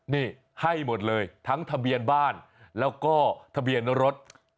นี่ให้หมดเลยทั้งทะเบียนบ้านแล้วก็ทะเบียนรถ